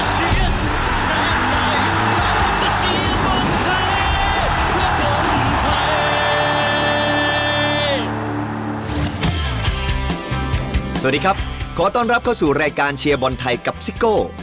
สวัสดีครับขอต้อนรับเข้าสู่รายการเชียร์บอลไทยกับซิโก้